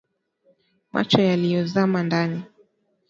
Macho yaliyozama ndani